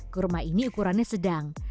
kurma ini ukurannya sedang